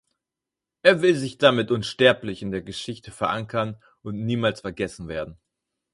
Er will sich damit unsterblich in der Geschichte verankern und niemals vergessen werden.